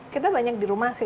kita banyak di rumah sih